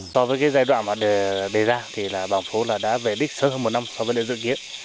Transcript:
so với cái giai đoạn mà đề ra thì là bảng phố là đã về đích sớm hơn một năm so với đề dự kiến